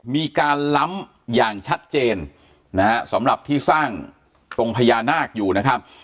มีการล้ำอย่างชัดเจนนะฮะสำหรับที่สร้างตรงพญานาคอยู่นะครับ